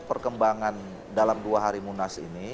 perkembangan dalam dua hari munas ini